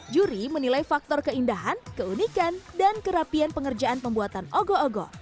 juri menilai faktor keindahan keunikan dan kerapian pengerjaan pembuatan ogo ogo